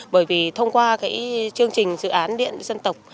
bởi vì thông qua cái chương trình dự án điện dân tộc